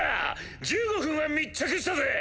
１５分は密着したぜぇ。